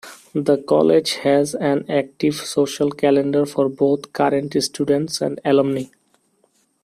The college has an active social calendar for both current students and alumni.